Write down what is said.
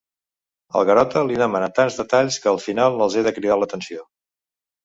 El Garota li demana tants detalls que al final els he de cridar l'atenció.